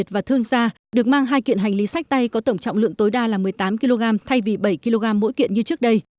và thương gia được mang hai kiện hành lý sách tay có tổng trọng lượng tối đa là một mươi tám kg thay vì bảy kg mỗi kiện như trước đây